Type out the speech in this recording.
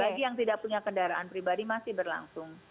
bagi yang tidak punya kendaraan pribadi masih berlangsung